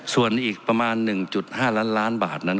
ส่วนอีกประมาณ๑๕ล้านล้านบาทนั้น